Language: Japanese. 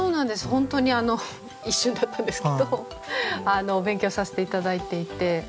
本当に一瞬だったんですけどお勉強させて頂いていて。